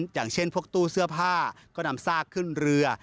อย่างเช่นพวกตู้เสื้อผ้าก็นำซากขึ้นเรือ